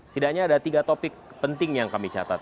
setidaknya ada tiga topik penting yang kami catat